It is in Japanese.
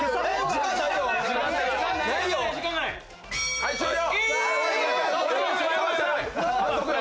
はい、終了！